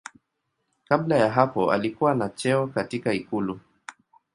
Kabla ya hapo alikuwa na cheo katika ikulu.